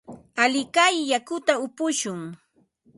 Alikay yakuta upushun.